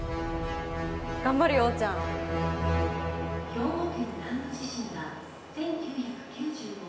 「兵庫県南部地震は１９９５年１月１７日